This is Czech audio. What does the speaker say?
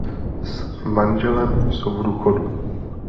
S manželem jsou v důchodu.